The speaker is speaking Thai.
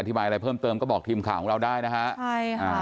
บายอะไรเพิ่มเติมก็บอกทีมข่าวของเราได้นะฮะใช่ค่ะ